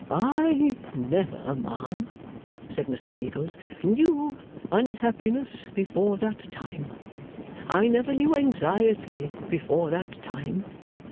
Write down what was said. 'I never, ma'am,' said Mr Meagles, 'knew unhappiness before that time, I never knew anxiety before that time.